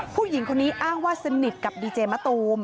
ผู้หญิงคนนี้อ้างว่าสนิทกับดีเจมะตูม